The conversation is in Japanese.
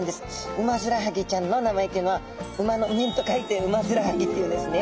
ウマヅラハギちゃんの名前というのは「馬の面」と書いてウマヅラハギっていうんですね。